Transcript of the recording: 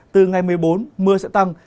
từ ngày một mươi bốn mưa sẽ tăng